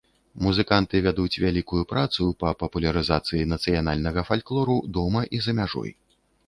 Музыканты вядуць вялікую працу па папулярызацыі нацыянальнага фальклору дома і за мяжой.